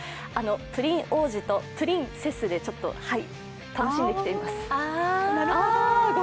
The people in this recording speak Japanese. プリン王子とプリンセスで楽しんできています。